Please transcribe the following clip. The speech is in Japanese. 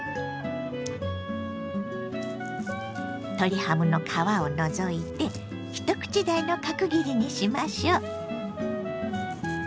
鶏ハムの皮を除いて一口大の角切りにしましょう。